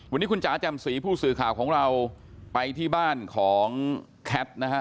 วันนี้คุณจ๋าจำศรีผู้สื่อข่าวของเราไปที่บ้านของแคทนะฮะ